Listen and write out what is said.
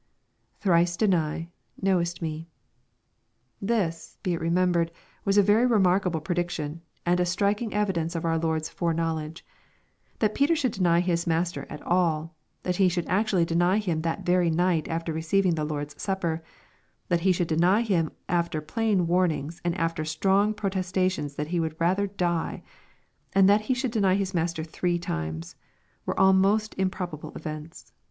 [Thrice deny.^.knowest me.] This, be it remembered, was a very remarkable prediction, and a striking evidence of our Lord's fore knowledge. That Peter should deny his Master at all, that he should actually deny Him that very night after receiving the Lord's Supper, — that he should deny Him alter plain warnings, and after strong protestations that he would rather die, — and that he shou Id deny his Master three times, — were all most improbable events.